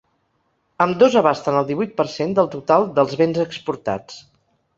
Ambdós abasten el divuit per cent del total dels béns exportats.